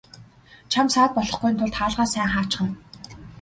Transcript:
Чамд саад болохгүйн тулд хаалгаа сайн хаачихна.